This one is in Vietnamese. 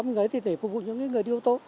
mình lấy thì để phục vụ những người đi ô tô